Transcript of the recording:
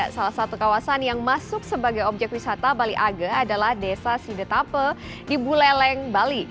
salah satu kawasan yang masuk sebagai objek wisata bali age adalah desa sidetape di buleleng bali